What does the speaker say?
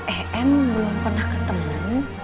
em belum pernah ketemu